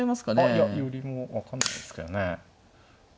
いや寄りも分かんないですけどね。